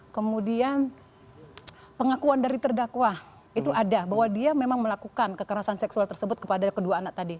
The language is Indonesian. kemudian pengakuan dari terdakwa itu ada bahwa dia memang melakukan kekerasan seksual tersebut kepada kedua anak tadi